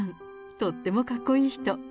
とってもかっこいい人。